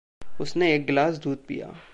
उसने एक गिलास दूध पिया।